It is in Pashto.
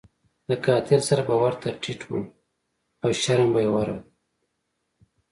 د قاتل سر به ورته ټیټ وو او شرم به یې ورغلو.